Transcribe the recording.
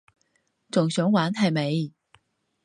仲想玩係咪？